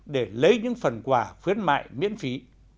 để lấy những phần quà khuyến mại miễn phí